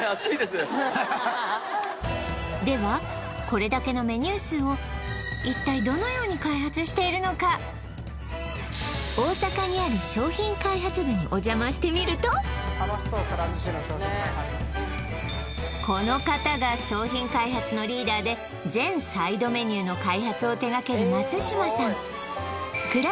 ではこれだけのメニュー数を一体大阪にある商品開発部にお邪魔してみるとこの方が商品開発のリーダーで全サイドメニューの開発を手がける松島さん